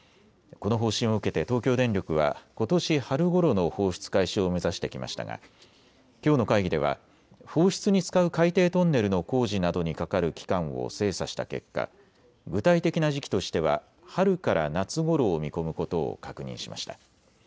この方針を受けて東京電力はことし春ごろの放出開始を目指してきましたがきょうの会議では放出に使う海底トンネルの工事などにかかる期間を精査した結果具体的な時期としては春から夏ごろを見込むことを確認しました。